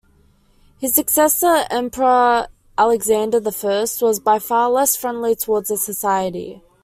His successor, Emperor Alexander the First was, by far, less friendly towards the Society.